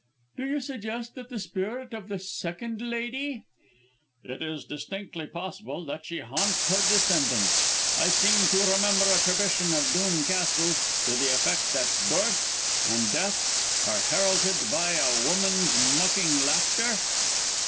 "Do you suggest that the spirit of the second lady " "It is distinctly possible that she haunts her descendants. I seem to remember a tradition of Dhoon Castle, to the effect that births and deaths are heralded by a woman's mocking laughter?"